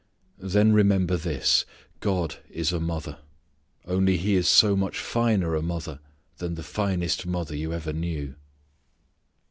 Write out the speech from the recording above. Then remember this: God is a mother, only He is so much finer a mother than the finest mother you ever knew.